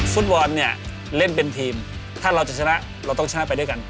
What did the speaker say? ฟุตบอลเนี่ยเล่นเป็นทีมถ้าเราจะชนะเราต้องชนะไปด้วยกัน